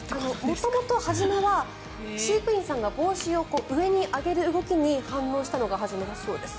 元々初めは飼育員さんが、帽子を上に上げる動きに反応したのが始めだそうです。